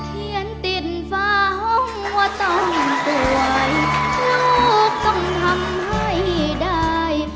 เห็นติดฟ้าห้องว่าต้องป่วยลูกต้องทำให้ได้